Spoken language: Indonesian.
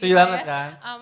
setuju banget kan